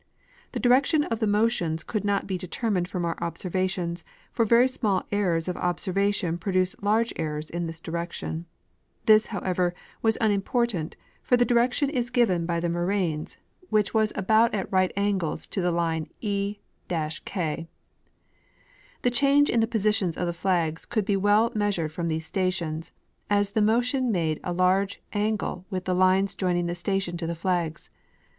The direction of the motions could not be de termined from our observations, for very small errors of observa tion produce large errors in this direction. This, hoAvever, Avas unimportant, for the direction is given by the moraines, Avhicli 7— Nat. Gkoo. Mac, vol. IV, 1892. 44 H. F. Reid — Sbidles of Mvir Glacier was aljoiit at right angles to the line E K. The change in the positions of the flags could be well measured from these stations, as the motion made a large angle with the lines joining the station to the flags.